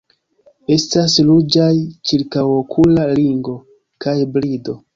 Estas ruĝaj ĉirkaŭokula ringo kaj brido.